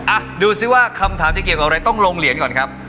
อ่ะดูสิว่าคำถามจะเกี่ยวกับอะไรต้องลงเหรียญก่อนครับ